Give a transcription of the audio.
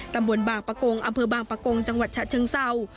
ตำบลบางปะโกงอำเภอบางปะกงจังหวัดฉะเชิงเศร้า